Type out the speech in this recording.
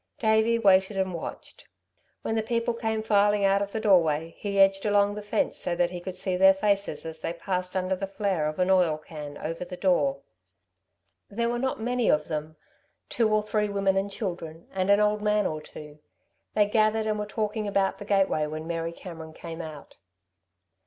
Davey waited and watched. When the people came filing out of the doorway, he edged along the fence so that he could see their faces as they passed under the flare of an oil can over the door. There were not many of them, two or three women and children, and an old man or two. They gathered and were talking about the gateway when Mary Cameron came out.